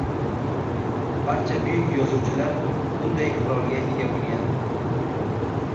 barcha buyuk yozuvchilar bunday qurolga ega boʻlgan.